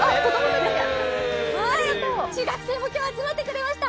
中学生も今日は集まってくださいました。